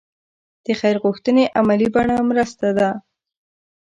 د خیر غوښتنې عملي بڼه مرسته ده.